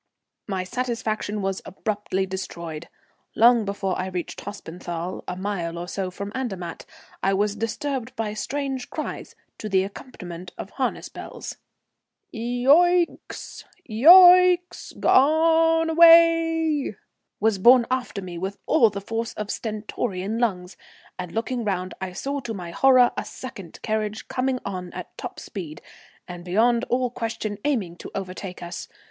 My satisfaction was abruptly destroyed. Long before I reached Hospenthal, a mile or so from Andermatt, I was disturbed by strange cries to the accompaniment of harness bells. "Yo icks, Yo icks, G o ne away!" was borne after me with all the force of stentorian lungs, and looking round I saw to my horror a second carriage coming on at top speed, and beyond all question aiming to overtake us.